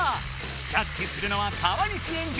ジャッジするのは川西エンジ。